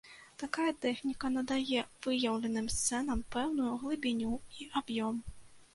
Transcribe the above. Такая тэхніка надае выяўленым сцэнам пэўную глыбіню і аб'ём.